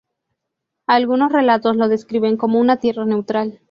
Algunos relatos lo describen como una tierra neutral.